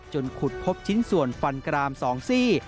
ขุดพบชิ้นส่วนฟันกราม๒ซี่